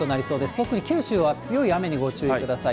特に九州は強い雨にご注意ください。